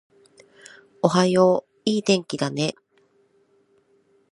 おはよう、いい天気だね